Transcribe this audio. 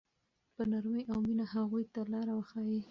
په نرمۍ او مینه هغوی ته لاره وښایئ.